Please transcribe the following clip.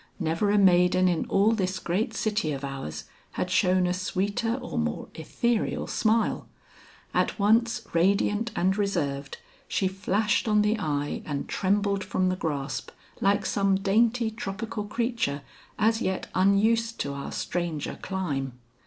Never a maiden in all this great city of ours had shown a sweeter or more etherial smile. At once radiant and reserved, she flashed on the eye and trembled from the grasp like some dainty tropical creature as yet unused to our stranger clime.